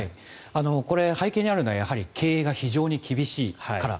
これ、背景にあるのは経営が非常に厳しいから。